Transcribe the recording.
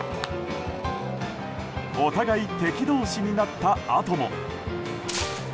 お互い敵同士になったあとも。